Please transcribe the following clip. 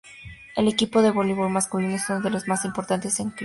El equipo de voleibol masculino es uno de los más importantes de Chipre.